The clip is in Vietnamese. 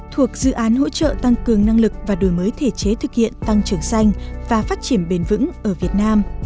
thuộc dự án hỗ trợ tăng cường năng lực và đổi mới thể chế thực hiện tăng trưởng xanh và phát triển bền vững ở việt nam